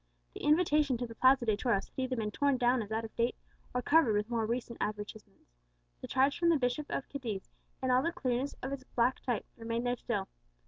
The invitation to the Plaza de Toros had either been torn down as out of date, or covered with more recent advertisements; the charge from the Bishop of Cadiz, in all the clearness of its black type, remained there still.